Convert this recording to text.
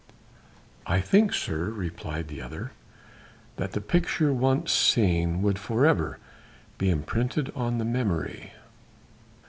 "I think, sir," replied the other, "that the picture once seen would for ever be imprinted on the memory."